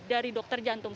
dari dokter jantung